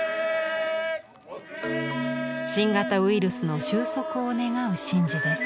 新型ウイルスの終息を願う神事です。